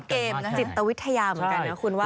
เกมจิตวิทยาเหมือนกันนะคุณว่า